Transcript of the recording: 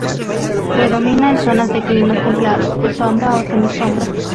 Predomina en zonas de climas templados, de sombra o semi-sombra.